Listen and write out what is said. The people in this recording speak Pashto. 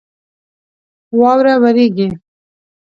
واوره وریږي